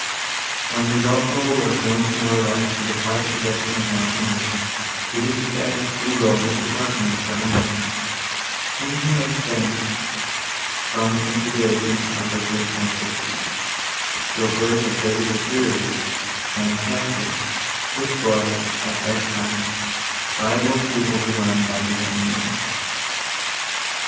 When Udolpho was once more left to the quiet possession of Montoni, he dispatched Ugo into Tuscany for Emily, whom he had sent from considerations of her personal safety, to a place of greater security, than a castle, which was, at that time, liable to be overrun by his enemies.